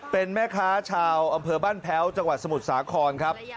เป็นแม่ค้าชาวอำเภอบ้านแพ้วจังหวัดสมุทรสาครครับ